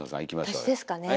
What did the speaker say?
私ですかね。